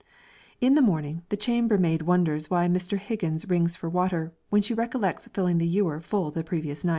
In the morning, the chambermaid wonders why Mr. Higgins rings for water, when she recollects filling the ewer full the night previous.